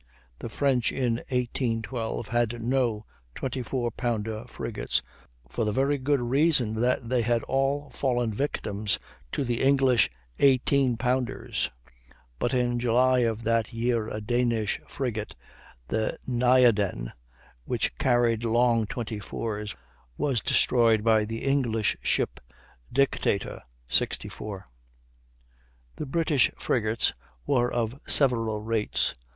The French in 1812 had no 24 pounder frigates, for the very good reason that they had all fallen victims to the English 18 pounder's; but in July of that year a Danish frigate, the Nayaden, which carried long 24's, was destroyed by the English ship Dictator, 64. The British frigates were of several rates.